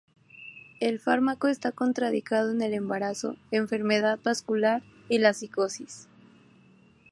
El fármaco está contraindicado en el embarazo, enfermedad vascular, y la psicosis.